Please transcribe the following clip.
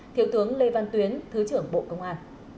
thiếu tướng lê văn tuyến thứ trưởng bộ công an